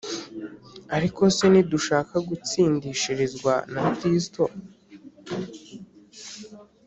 Ariko se nidushaka gutsindishirizwa na Kristo